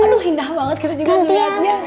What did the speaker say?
aduh indah banget kita juga melihatnya